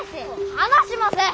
離しません！